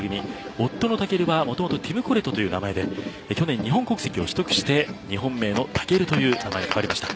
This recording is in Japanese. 夫の尊はもともとティム・コレトという名前で去年、日本国籍を取得して日本名の尊という名前に変わりました。